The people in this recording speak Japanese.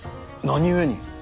何故に。